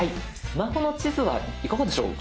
スマホの地図はいかがでしょう？